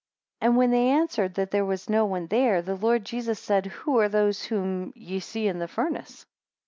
4 And when they answered, That there was no one there; the Lord Jesus said, Who are those whom ye see in the furnace?